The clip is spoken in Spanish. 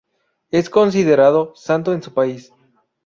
Es considerado santo en su país.